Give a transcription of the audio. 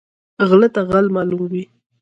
غله ته غل معلوم وي